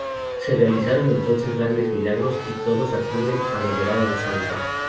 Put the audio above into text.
Se realizan entonces grandes milagros y todos acuden a venerar al santo.